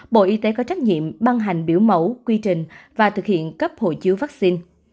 bộ y tế có trách nhiệm băng hành biểu mẫu quy trình và thực hiện cấp hộ chiếu vaccine